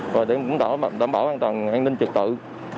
và để cũng đảm bảo an toàn an ninh trật tự